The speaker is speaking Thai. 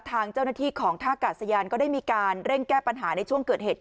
ทางเจ้าหน้าที่ของท่ากาศยานก็ได้มีการเร่งแก้ปัญหาในช่วงเกิดเหตุ